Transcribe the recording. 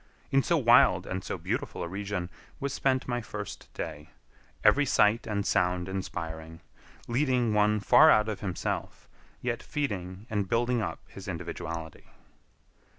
In so wild and so beautiful a region was spent my first day, every sight and sound inspiring, leading one far out of himself, yet feeding and building up his individuality.